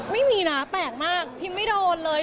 ไม่มีนะแปลกมากพิมไม่โดนเลย